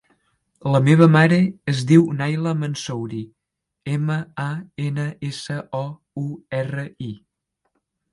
La meva mare es diu Nayla Mansouri: ema, a, ena, essa, o, u, erra, i.